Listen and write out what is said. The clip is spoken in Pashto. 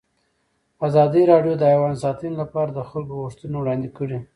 ازادي راډیو د حیوان ساتنه لپاره د خلکو غوښتنې وړاندې کړي.